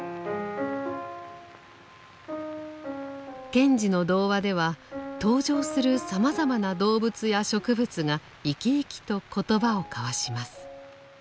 賢治の童話では登場するさまざまな動物や植物が生き生きと言葉を交わします。